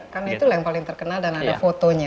karena itu yang paling terkenal dan ada fotonya